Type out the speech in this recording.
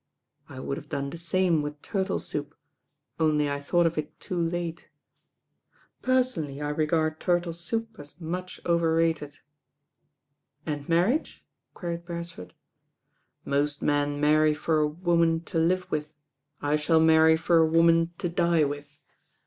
1 would have done the same with turtle soup, only I thought of it too late; personally I regard turtle soup as much over rated." 146 THE RAIN OIRL "And nuirriage? queried Bereiford. "Most men marry for a woman to live with, I shall marry for a woman to die with.